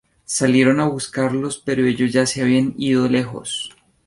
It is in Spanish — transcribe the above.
Salieron a buscarlos, pero ellos ya se habían ido lejos.